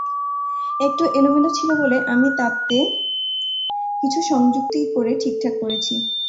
একটু এলোমেলো ছিল বলে আমি তাতে কিছু সংযুক্তি করে ঠিকঠাক করেছি।